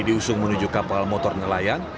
diusung menuju kapal motor nelayan